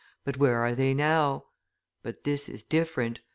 but where are they now? But this is different.